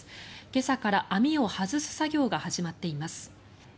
今朝から網を外す作業が始まっています。